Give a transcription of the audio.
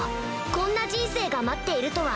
こんな人生が待っているとは。